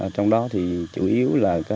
trong đó thì chủ yếu là các